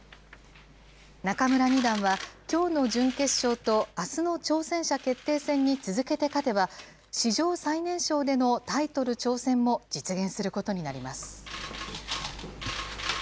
仲邑二段はきょうの準決勝とあすの挑戦者決定戦に続けて勝てば、史上最年少でのタイトル挑戦も実現することになります。